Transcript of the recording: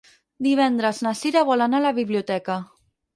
Divendres na Cira vol anar a la biblioteca.